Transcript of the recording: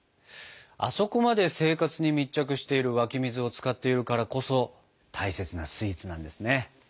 あそこまで生活に密着している湧き水を使っているからこそ大切なスイーツなんですね。